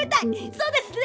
そうですね。